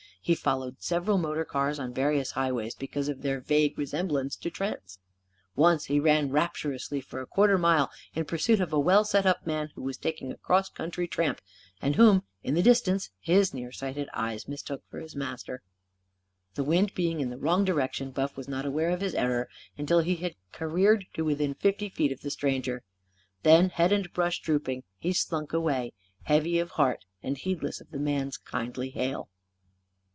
He followed several motor cars, on various highways, because of their vague resemblance to Trent's. Once he ran rapturously for a quarter mile, in pursuit of a well set up man who was taking a cross country tramp; and whom, in the distance, his near sighted eyes mistook for his master. The wind being in the wrong direction, Buff was not aware of his error until he had careered to within fifty feet of the stranger. Then, head and brush drooping, he slunk away, heavy of heart and heedless of the man's kindly hail.